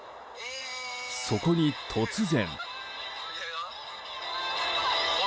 そこに、突然。